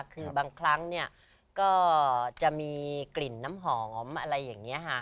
คือบางครั้งเนี่ยก็จะมีกลิ่นน้ำหอมอะไรอย่างนี้ค่ะ